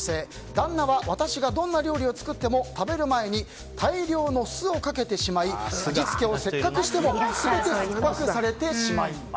旦那は私がどんな料理を作っても食べる前に大量の酢をかけてしまい味付けをせっかくしても全て酸っぱくされてしまいます。